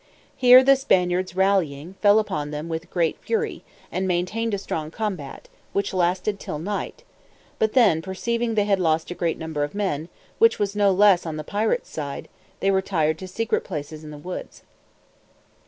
Here the Spaniards rallying, fell upon them with great fury, and maintained a strong combat, which lasted till night; but then, perceiving they had lost a great number of men, which was no less on the pirates' side, they retired to secret places in the woods.